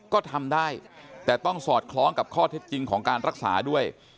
ก็ทำได้แต่ต้องสอดคล้องกับข้อเท็จจริงของการรักษาด้วย